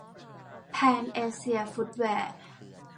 แพนเอเซียฟุตแวร์